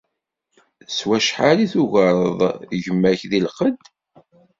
S wacḥal i tugareḍ gma-k di lqedd?